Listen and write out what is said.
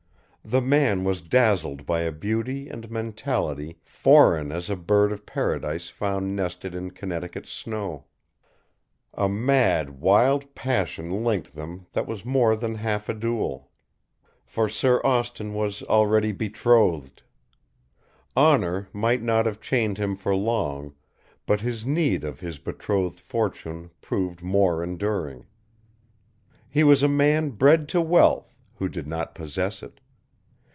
The man was dazzled by a beauty and mentality foreign as a bird of paradise found nested in Connecticut snow. A mad, wild passion linked them that was more than half a duel. For Sir Austin was already betrothed. Honor might not have chained him for long, but his need of his betrothed's fortune proved more enduring. He was a man bred to wealth, who did not possess it.